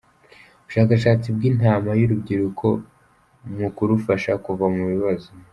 Ubushakashatsi bwintama yurubyiruko mukurufasha kuva mu bibazo